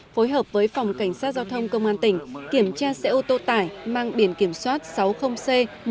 phối hợp với phòng cảnh sát giao thông công an tỉnh kiểm tra xe ô tô tải mang biển kiểm soát sáu mươi c một mươi chín nghìn bốn mươi bốn